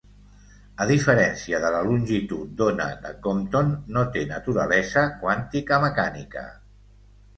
A diferència de la longitud d'ona de Compton, no té naturalesa quàntica-mecànica.